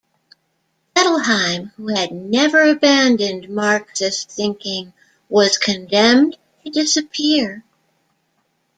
Bettelheim, who had never abandoned Marxist thinking, was condemned to disappear.